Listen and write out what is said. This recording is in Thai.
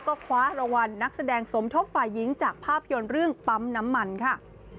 ก็คว้ารางวัลนักแสดงสมทบฝ่ายหญิงจากภาพยนตร์เรื่องปั๊มน้ำมันค่ะ